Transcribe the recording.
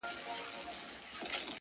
ستا خــوله كــي ټــپه اشــنا.